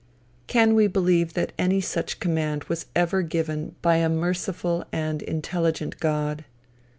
Can we believe that any such command was ever given by a merciful and intelligent God?